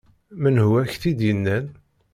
Menhu ak-t-id-yennan?